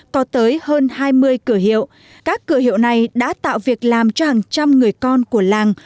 có tới hơn hai mươi cửa hiệu các cửa hiệu này đã tạo việc làm cho hàng trăm người con của làng